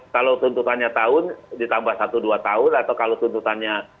kalau tuntutannya tahun ditambah satu dua tahun atau kalau tuntutannya